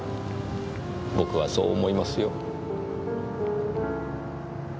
僕はそう思いますよ。